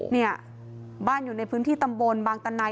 เนี่ยบ้านอยู่ในพื้นที่ตำบลบางตันใน